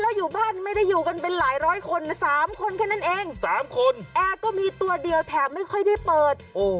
แล้วอยู่บ้านไม่ได้อยู่กันเป็นหลายร้อยคนสามคนแค่นั้นเองสามคนแอร์ก็มีตัวเดียวแถมไม่ค่อยได้เปิด